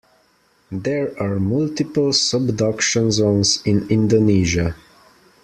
There are multiple subduction zones in Indonesia.